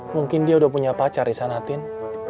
mungkin dia udah punya pacar di sana tin